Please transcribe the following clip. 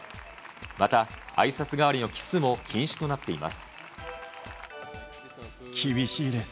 また、あいさつ代わりのキスも禁止となっています。